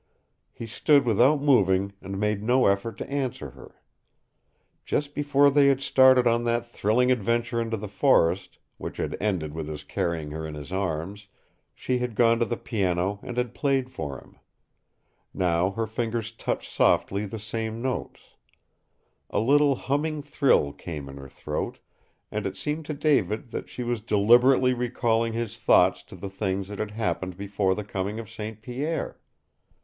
He stood without moving and made no effort to answer her. Just before they had started on that thrilling adventure into the forest, which had ended with his carrying her in his arms, she had gone to the piano and had played for him. Now her fingers touched softly the same notes. A little humming trill came in her throat, and it seemed to David that she was deliberately recalling his thoughts to the things that had happened before the coming of St. Pierre.